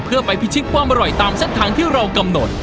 เพื่อไปพิชิตความอร่อยตามเส้นทางที่เรากำหนด